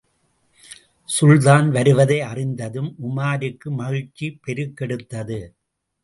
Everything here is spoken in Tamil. சுல்தான் வருவதை அறிந்ததும் உமாருக்கு மகிழ்ச்சி பெருக்கெடுத்தது.